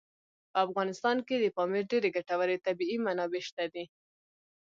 په افغانستان کې د پامیر ډېرې ګټورې طبعي منابع شته دي.